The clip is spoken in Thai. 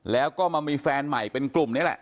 แล้วก็มามีแฟนใหม่เป็นกลุ่มนี้แหละ